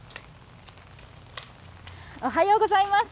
おはようございます。